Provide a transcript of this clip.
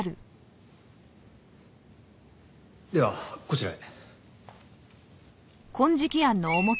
ではこちらへ。